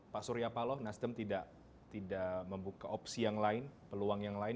pak surya paloh nasdem tidak membuka opsi yang lain peluang yang lain